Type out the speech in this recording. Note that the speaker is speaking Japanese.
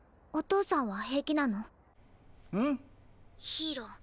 ヒーロー。